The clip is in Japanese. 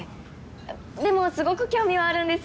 でもすごく興味はあるんです！